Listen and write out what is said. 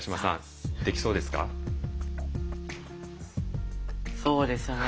そうですね。